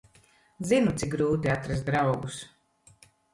Zinu, cik grūti atrast draugus.